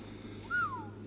ああ。